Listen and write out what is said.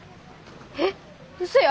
えっうそや！